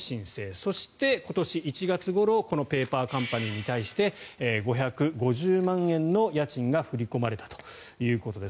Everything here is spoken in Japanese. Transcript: そして、今年１月ごろこのペーパーカンパニーに対して５５０万円の家賃が振り込まれたということです。